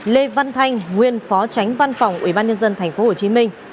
lê văn thanh nguyên phó tránh văn phòng ubnd tp hcm